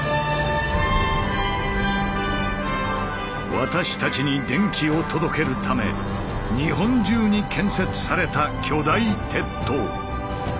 私たちに電気を届けるため日本中に建設された巨大鉄塔。